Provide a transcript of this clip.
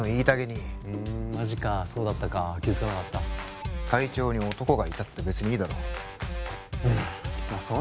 たげにふーんマジかそうだったか気づかなかった隊長に男がいたって別にいいだろうんまあ